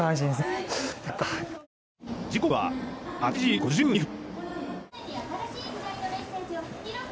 時刻は８時５２分。